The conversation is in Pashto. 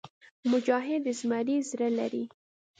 مجاهد د زمري زړه لري.